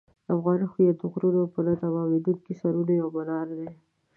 افغان هویت د غرونو پر نه تمېدونکو سرونو یو منار دی.